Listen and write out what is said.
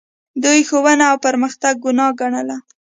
دوی ښوونه او پرمختګ ګناه ګڼله